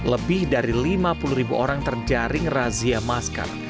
lebih dari lima puluh ribu orang terjaring razia masker